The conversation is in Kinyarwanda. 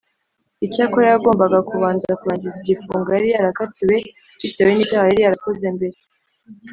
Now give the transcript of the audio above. Icyakora yagombaga kubanza kurangiza igifungo yari yarakatiwe bitewe n icyaha yari yarakoze mbere